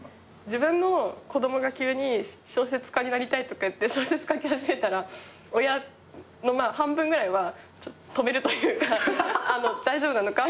自分の子供が急に小説家になりたいとか言って小説書き始めたら親の半分ぐらいは止めるというか大丈夫なのか？